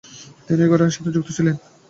তিনি ঐ ঘটনার সাথে যুক্ত ছিলেন।